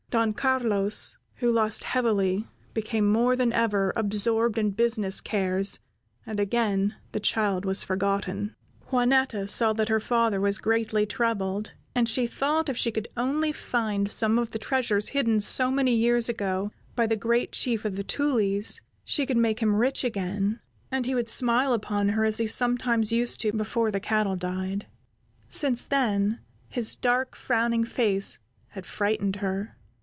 Don Carlos, who lost heavily, became more than ever absorbed in business cares, and again the child was forgotten. Juanetta saw that her father was greatly troubled, and she thought if she could only find some of the treasures hidden so many years ago by the great Chief of the Tulies, she could make him rich again, and he would smile upon her as he sometimes used to before the cattle died—since then, his dark frowning face had frightened her.